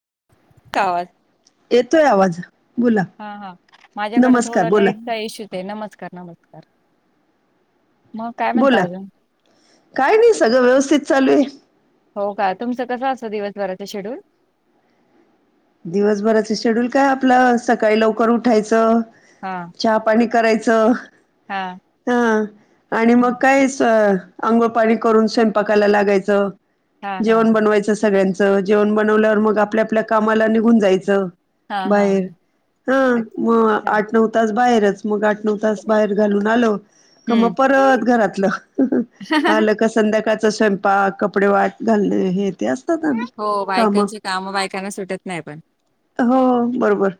[inaudible] येतोय आवाज बोला हा हा माझ्याकडे नमस्कार थोडं बोला नेटचा इशूत आहे नमस्कार नमस्कार मग काय म्हणत बोला अजून काय नाही सगळं व्यवस्थित चालू आहे हो का तुमचं कसा असं दिवस घराच शेड्यूल दिवस भराच शेड्यूल काय आपलं सकाळी लवकर उठायचं. हा चहा पाणी करायचं हा अ आणि मग हं. काय स अंंघोळ पाणी करून स्वयंपाकाला लागायचं हा हा जेवण हा बनवायचं सगळ्यांच सर्व जेवण बनवल्यावर मग आपल्या आपल्या कामाला निघून जायचं हा हा बाहेर हा हा मग अच्छा आठ नऊ तास बाहेरच मग आठ नऊ तास बाहेर घालून आलो का मग हम्म परत घरातलं आलं का संध्याकाळच स्वयंपाक कपडे वाळत घालने हे ते असतात आणि हो काम बायकांचे काम बायकांना सुटत नाही पण हो बरोबर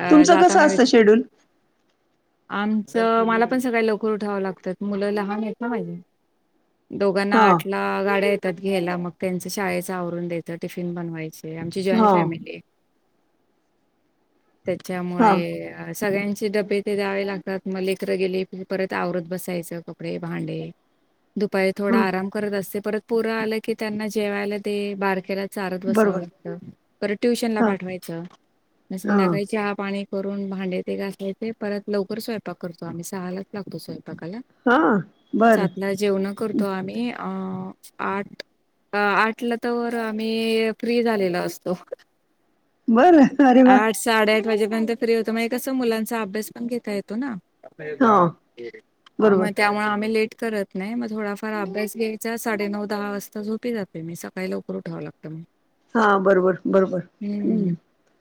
अ तुमचं कसं जाताना वे असंत शेड्यूल आमचं मला पण सकाळी लवकर उठावं लागतं मुलं लहान आहेत माझी. दोघांना हा आठ ला गाड्या येतात घ्यायला मग त्यांचं शाळेच आवरून द्यायच टिफीन बनवायचं आमची जॉईंट हा फॅमिली आहे हा त्याच्यामुळे सगळ्यांचे डब्बे ते द्यावे लागतात मग लेकरं गेली की परत आवरत बसायचं, कपडे भांडे. दुपारी थोडा हा आराम करत असते, परत पोरं आलं की त्यांना जेवायला दे बारक्याला चारत बसावं बरोबर लागतं, परत ट्युशनला हा पाठवायचं मग हा संध्याकाळी चहा पाणी करून भांडे ते घासायचे, परत लवकर स्वयंक करतो आम्ही सहालाच लागतो स्वयं पाकाला, हा बरं सातला जेवणं करतो आम्ही अ अ आठ आठ उठल तवर आम्ही फ्री झालेलो असतो. बर, अरे वा! म्हणजे नंतर फ्री होतो, माह्य कस मुलांचा अभ्यास पण घेता येतो ना. हा [unintelligible] आ म बरोबर त्यामुळ आम्ही लेट करत नाही. मग थोडाफार अभ्यास घ्यायचा, साडे नऊ, दहा वाजता झोपी जात ते. मी सकाळीला लवकर उठाव लागतं म. हा बरोबर बरोबर हम्म हुम्म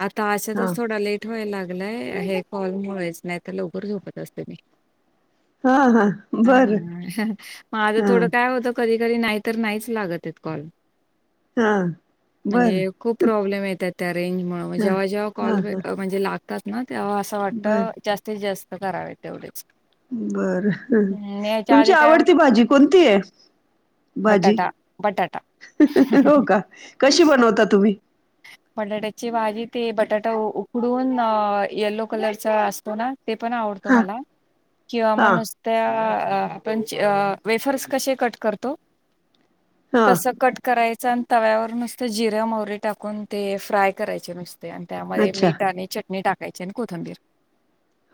आता हा अशातच थोडा लेट व्हाय लाग लय हे कॉलमुळेच, नाही तर लवकर झोपत असते मी. हा हा बर हा, माझं हा थोडं काय होत कधी तरी नाहितर लागतच नाही तयेत काॅल हा बर म्हणजे खुप प्राॅम्लेम एताएत. रेंज मुळ हा जेव्हा जेव्हा हा कॉल हा अ म्हणजे लागतात ना, तेव्हा असं बर वाटतं जास्तीत जास्त त करावेत तेवढेच. बरं हु, हम्म याच्या तुमची आधी काय आवडती भाजी कोणती हाय? बटाटा, बट [inaudible] हो का कशी बनवता तुम्ही? बटाट्याची भाजी, ते बटाटा उकडून यल्लो कलरचा असतो ना ते पण आवडतो हा मला किंवा म हा नुसत्या आपण ज अं वेफर्स कशे कट करतो, हा तस कट कराय च न तव्यावर नुसतं जिरं, मोहरी टाकून ते फ्राय करायचे नुस ते आणि त्यामध्ये अच्छा मीठ आणि चटणी टाकायची आणि कोथंबीर.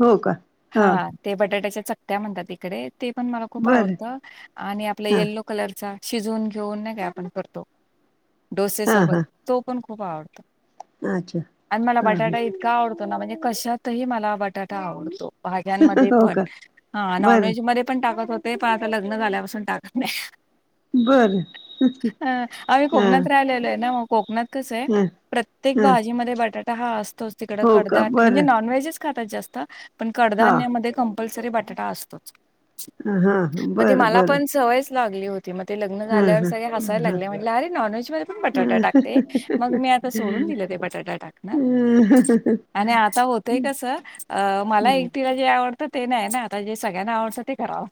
हो का हा ते बटाट्याच्या चकत्या म्हणतात ईकडे. ते पण मला खूप बर आवडत आणि आपला हा येल्लो कलरचा शिजवून तो नाही का आपण करतो, डोसे हा सोबत हा तो पण खुप आवडतो. अच्छा आणि मला हा हा बटाटा इतका आवडतो ना, म्हणजे कशातही मला बटाटा आवडतो. भाज्यांमध्ये हो पण, का अ बर नॉनव्हेज मध्ये पण टाकत हो ते पन आता लग्न झाल्यापासून टाकत नाही. बरं. ह आम्ही कोकणात राहिलेलो आहे ना मग मग कस हाय, हा प्रत्येक हा भाजी मधे बटाटा हा असतोच, तिकड हो का कडतात म्हणजे बर नाॅनव्हेज खातात जास्त, पण हा कडधान्यामध्ये कंपल्सरी बटाटा असतोच. हां हां म ते बरं मला बरं पण सवयच लागली होती, मग ते लग्न हां झाल्यावर हां सगळे हायला हां हां लागले, म्हटल अरे नॉनव्हेजमध्ये पण बटाटा टाकते, मग मी आता सोडून दिलं ते बटाटा टाकण. आणि आता होतय कस, मला एकटीला जे आवडत ना. तर ते नाही ना, आता जे सगळ्यांना आवडतं ते करावं.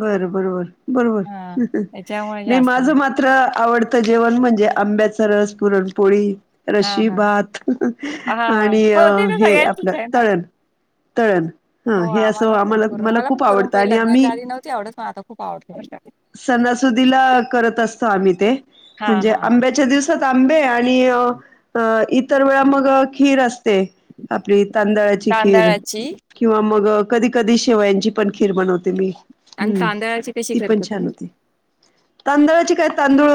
बर बरोबर-बरोबर हां, त्याच्यामुळे नाही म. जास्त माझं नाही. मात्र आवडतं जेवण म्हणजे, आंब्याच रस, पुरणपोळी. हां, रशी हां. भात, हां, हां. आणि अ हो, ते तर हे सगळ्यांचंच आपलं आहे ना. तळण. तळण हा हो, हे असं पण आम्हाला पुरण मला पण खूप आवडतं पुरणपोळी आणि लग्नाच्या आम्ही. आधी नव्हती आवडत, पण आता खूप आवडते बरं का. सना-सुदीला करत असतो आम्ही ते. हां, म्हणजे हां. आंब्याच्या दिवसात आंबे, आणि इतर वेळा मग खीर असत. ते आपली तांदळाची खीर तांदळाची किंवा मग ते. कधी-कधी शेवायांची पण खीर बनवते मी, आणि हम्म तांदळाची कशी ती पण करता छान तुम्ही? होती. तांदळाचे काय तांदूळ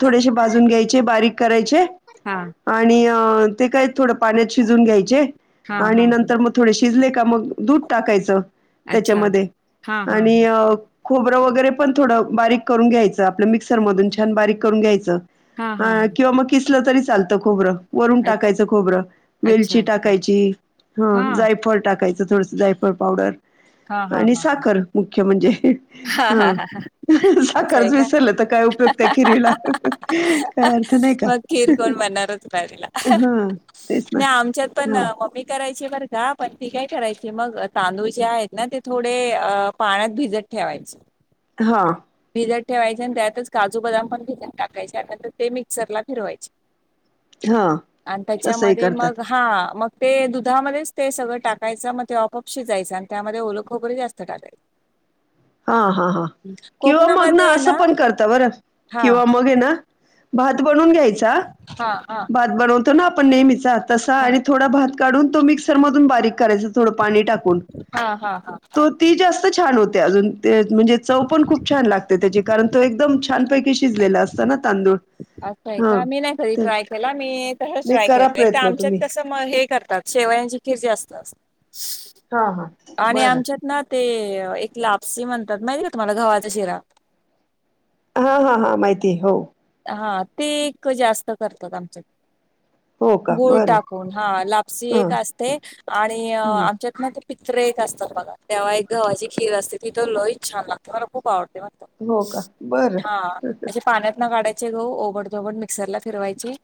थोडेसे भाजून घ्यायचे, बारीक करायचे. हां. आणि ते काय थोड पाण्यात शिजून घ्यायचे, हां, हां. आणि हां. नंतर मग थोडेशे- शिजले का मग दूध टाकायचं. अच्छा त्याच्यामध्ये हा. आणि अ. खोबरं वगैरे पण थोडं बारीक करून घ्यायचं आपलं मिक्सर मधून छान बारीक करून घ्यायचं. हां, हां. हा हां. किंवा मग किसलं तरी चालतं खोबरं. वरून अ टाकायचं खोबरं अच्छा, वेलची अच्छा. टाकायची हं हां. जायफळ टाकायची. थडं जायफळ पावडर.. हा हा आणि हा हा. साखर मुख्य म्हणजे हा हां. असं आहे साखच का? विसरल तर काय उपयुक्त खिरीला. काय अर्थ नाही का? मग खीर कोण बनणारच प्रारीला हा तेच ना नाही आमच्यात पण. ह मम्मी करायची बर घा पण ती काय करायची मग तांदूळ जे आहेत. ना ते थोडे अ पाण्यात भिजत ठेवायचं. हा. ठेवायचे आणि त्यातच काजू बदाम पण घेत टाकायच्यानंतर ते मिक्सर ला फिरवायचे. हा आणि तसंही त्याच्यामध्ये करतात मग हा मग. ते दुधामध्येच ते सगळं टाकायचं मग ते ऑपऑपशी जायचं. त्यामध्ये ओलंख वपररी जास्त टालयल. हा हा हा किंवा मग ना असं पण करत बरं हा किंवा मग आहे ना. भात बनून घ्यायचा हा हा भात बनवतो ना आपण नेहमीच. तसा हा आणि थोडा भात काढून तो मिक्सर मधून बारीक करायचा थोडं पाणी टाकून.. हा हा हा. तो ती जास्त छान होते अजून म्हणजे चव पण खूप छान लागते त्याची. कारण तो एकदम छानपैकी शिजलेला असत ना तांदूळ. असं आहे हा का मी नाही कधी ते ट्राय केला मी तसच नाही ट्राय करा के प्रयत्न आमच्यात तुम्ही तस. ते करतात शेवयांची किरती असतात. हा हा बरं. ना ते एक लापसी म्हणतात माहिती का तुम्हाला घवाचा शिरा. हा हा हा माहितीय हो. हा ते एक जास्त करतात आमच्या. हो का गुळ बरं टाकून हा लापसी हा एक असते आणि हम्म आमच्यात म. पित्रे एक असतात बघा तेव्हा एक गव्हाची खीर असते तिथं लोईित छान लागते मला खूप आवडते. हो का बरं हाे पाण्यात. काढायचे ग ओो मिक्सरला फिरयचे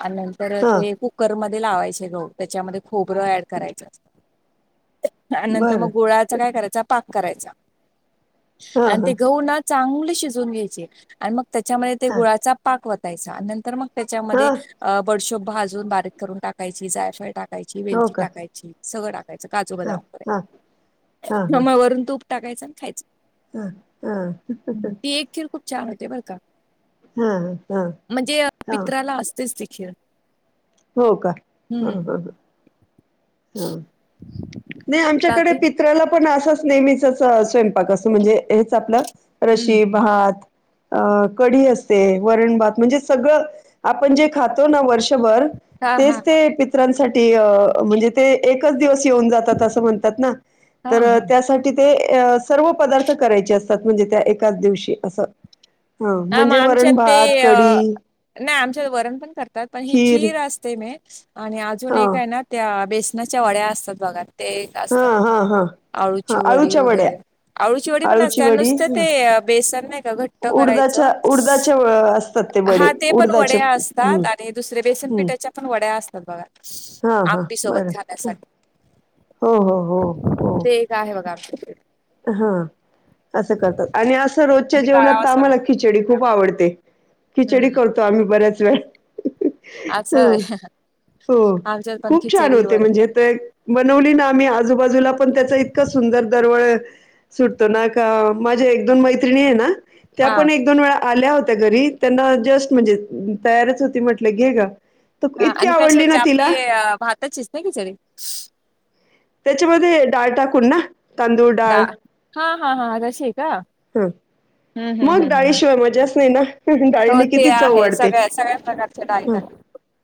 आणि नंतर हा ते कुकरमध्ये. लावायचे लो त्याच्यामध्ये खोबरं ऍड करायच. नंतर बर मग गोळाचा काय करायचा पाक करायचा हा आणि हा ते गहनाच चांगले शिजून घ्यायचे आणि मग त्याच्यामध्ये ते हा गुळाचा पाक वतायचा आणि नंतर मग. हा त्याच्यामध्ये बडशोभ भाजून बारीक करून टाकायची जायफाळ टाकायची हो वेलची का टाकायची. सगळं काजू बा हा हा हा हा वारमा वरून तूप टाकायच खायचं. हा हा. हं, ती एक खीर खूप छान होते बर का हा हा म्हणजे हा पित्राला असतेच त. अ. हो का ह हो. हा नाही आमच्याकडे बाकी पित्र्याला पण असं. नेहमीच स्वयंपाक अस म्हणजे हेच आपलं रशी हम्म भात. अ कढी असते वरण भात म्हणजे सगळं आपण जे खातो ना वर्षभर. हा तेच हा ते पित्रांसाठी म्हणजे ते एकच दिवस. न जातात अस म्हणतात ना हा तर हा त्यासाठी ते सर्व पदार्थ करायचे असतात. म्हणजे त्या एकाच दिवशी असं ह हा मग म्हणजे आमच्यात वरण भात कडी. वण पण करात पण ह खीर असते आणि अज हा एक त्या बेसनाच्या वड्या असतात भागात ते एक हा असत हा हा हा आळूची वडी आळूच्या वड्या वगैरे. आवळचीवडी पण आळूची असते वडी नुसत ते बेसन नाही का घट्ट करायचं. उर्जा हा ते पण वड्या असतात आणि दुसर्या हम्म बेसनपिठ्याच्या पण वड्या असतात बघा. हा हा आपी सोबत बरं खाण्यासाठी हो हो हो हो ते एक आहे बघा आ. हा असं करतात आणि असं आणि रोजच्या ते जेवणात काढावंच तम्हाला लागतं बघ खिचडी खूप आवडते. खिचडी करतो आम्ही बऱ्याच वेळ. आ स. ह हो. खूप छान होते म्हणजे भात ते बनवली ना आम्ही आजूबाजूला पण त्याच इतकं सुंदर दरवळ. सुटतो ना का माझ्या एक दोन मैत्रिणी आहे ना त्या हा पण एक दोन वेळा. आल्या होत्या घरी त्यांना जस्ट म्हणजे तयारच होती म्हटलं घे ग. हा आणि कशा आपली भाताचीस ना कि सरी. त्याच्यामध्ये डाळ टाकून ना. तांदूळ दा डाळ हा हा हा तशी आहे का. हं. हम्म मग हम्म हम्म हम्म डाळीशिवाय मजाच नाही ना. हो डाळनी ते किती चव आहे वाडते सगळ्या सगळ्या प्रकारच्या डाळी ह. टाकतात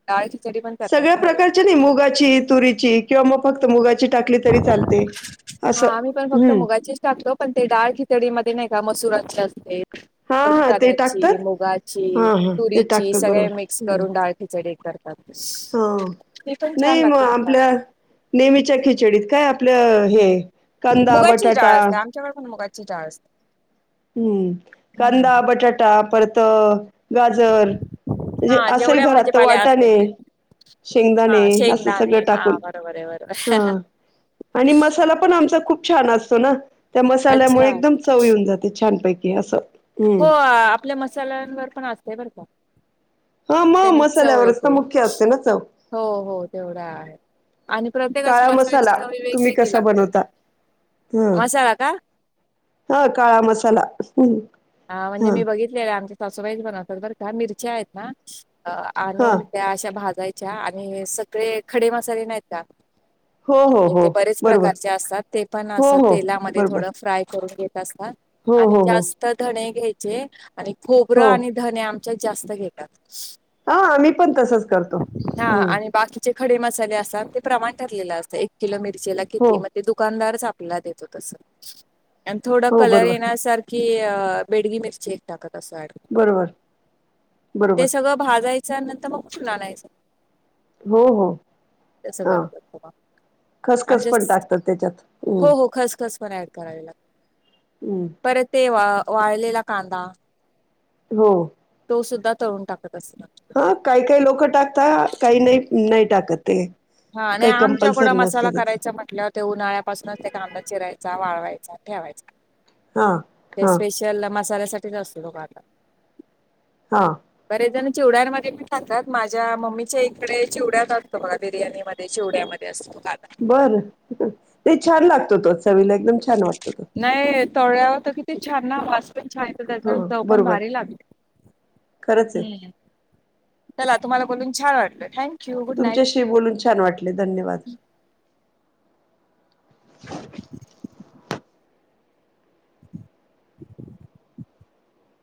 डाळ खिचडी पण करतात सगळ्या ना वडील प्रकारच्या नाही मुगाची तुरीची किंवा मग फक्त मुगाची. टाकली तरी चालते. हा असं. मम्ही पण फक्त हं. मुगाचीच टाकतो पण ते डार्क हथडीमध्ये नाही का मसुराचे असते. हा थोडी हा ते चण्याची टाकतात मुगाची हा हा ते तुरीची टाकतात सगळे बरोबर मिक्स हम्म करून डाळ खिचडे. हा छान नाही मग लागते बर का आपल्या नेहमीच्या खिचडीत. काय आपलं हे. कांदा मुगाची बटाटा डाळ असते आमच्याकड पून मुगाची डळ असते. हम्म कांदा हम्म बटाटा परत. गाजर म्हणजे हा असेल जेवढ्या घरात तर भाजीपाल्या असतील वाटाणे. ते हा शेंगदाणे असं सगळं शेंगदाणे हा टाकून बरोबर आहे बरोबर हा. आणि मसाला पण आमचा खूप. खूप छान असतो ना त्या मसाल्यामुळे अच्छा एकदम चवी येऊन जाते छानपैकी असं हो हम्म आपल्या मसाल्यांवर पण असतय बरं का. हा मग त्याने चव मसाल्यावरच तर मुख्य येत असते ना चव हो हो तेवढा आहे आणि प्रत्येकाची काळा मसाल्याची मसाला चवळी तुम्ही वेगवेगळी कसा लागते बनवता? ह मसाला का. हा काळा मसाला. हम्म. हा म्हणजे मी बघितलेले आमच्या सासूबाईच बनवतात बरं का मिरच्या आहेत ना. अ हा आणनून त्या्या अशा भाजायच्या आणि सगळे खडे मसाले नाही त्या. हो हो े हो ते बरेच बरोबर प्रकारचे असतात ते पण हो अस हो तेलामध्ये थोड बरोबर फ्राय करून घेत. हो आणि हो हो जास्त धणे घ्यायचे आणि खोबरं हो आणि धणे आम. जास्त घेतात. हा आम्ही पण तसच करतो हा ह्. आणि बाकीचे खडे मसाले असतात ते प्रमाण ठरलेला असत एक किलो मिरचेला हो किती मग ते दुकानदार देतो त थोड हो कलर बरोबर येण्यासारखी बेडगी मिरची एक टाकत तस बरोबर ते बरोबर सगळं भाजायचं नंतर मग कुठून आणायचं हो हो तसं हां करतात का. खसखस आमच्या पण टाकतात त्याच्यात हो हम्म. हो खसखस पण ऍड करावी लागते. हम्म. परत ते वा वाळलेला कांदा हो. तो सुद्धा तळून टाकत अस हा काही काही लोक टाकत काही नाही नाही टाकत ते. हा आणि काही आमच्याकड कंपल्सरी मसाला नसतं त्याचं करायचा म्हटलं ते उन्हाळ्यापासूनच ते कांदा चिरायच. वाढवायचा आणि ठेवायचा हां ते हां स्पेशल मसाल्यासाठी. ते घासू नको आता. हा. तेज्यान चिवड्यांमध्ये मीठ टाकतात. माझ्या मम्मीच्या इकडे चिवड्यात असतो बघा. बिर्याणी मध्ये, चिवड्यामध्ये असतो. कांदा बर. नई छान लागतो तो, चवीला एकदम छान वाटत तो. तळळ्यावर तर किती छान ना वास पण छान येतो त्याचा हो आणि चव पण बरोबर भारी लागते. खरंच आहे हम्म चला तुम्हाला बोलून छान वाटलं. थँक तुमच्याशी बोलून छान वाटले, धन्यवाद. [inaudible]